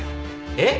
えっ？